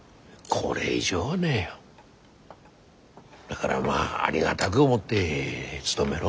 だからまあありがだく思って務めろ。